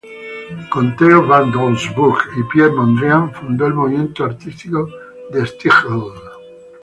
Con Theo van Doesburg y Piet Mondrian fundó el movimiento artístico De Stijl.